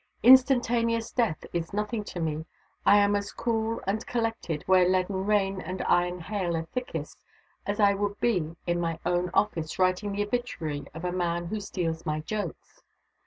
Instantaneous death is nothing to me. I am as cool and collected where leaden rain and iron hail are thickest as I would be in my own office writing the obituary of the man who steals my jokes.